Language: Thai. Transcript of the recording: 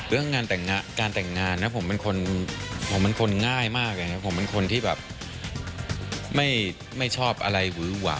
เรื่องการแต่งงานผมเป็นคนง่ายมากผมเป็นคนที่แบบไม่ชอบอะไรวื้อว่า